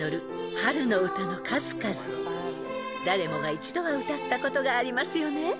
［誰もが一度は歌ったことがありますよね］